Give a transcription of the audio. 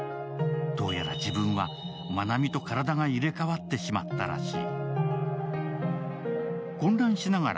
どうやら自分は、まなみと体が入れ代わってしまったらしい。